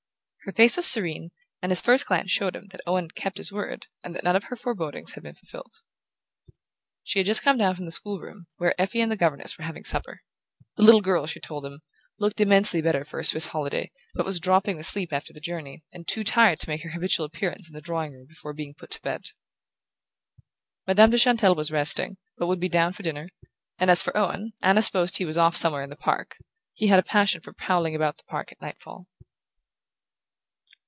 Her face was serene, and his first glance showed him that Owen had kept his word and that none of her forebodings had been fulfilled. She had just come down from the school room, where Effie and the governess were having supper; the little girl, she told him, looked immensely better for her Swiss holiday, but was dropping with sleep after the journey, and too tired to make her habitual appearance in the drawing room before being put to bed. Madame de Chantelle was resting, but would be down for dinner; and as for Owen, Anna supposed he was off somewhere in the park he had a passion for prowling about the park at nightfall...